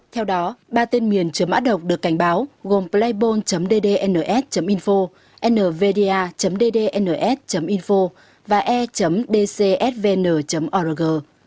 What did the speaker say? theo đó ba tên miền chứa mã độc được cảnh báo gồm playbol ddns info nvda ddns info và e dcsvn org